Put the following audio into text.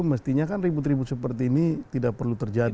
mestinya kan ribut ribut seperti ini tidak perlu terjadi